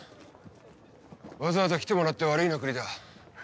わざわざ来てもらって悪いな栗田。